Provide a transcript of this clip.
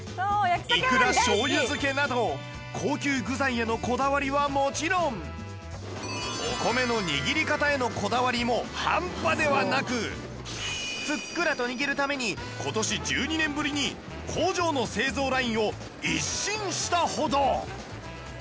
いくら醤油漬など高級具材へのこだわりはもちろんお米の握り方へのこだわりも半端ではなくふっくらと握るために今年１２年ぶりに工場の製造ラインを一新したほど！